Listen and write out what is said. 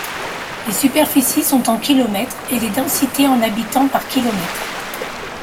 Les superficies sont en km et les densités en habitants par km.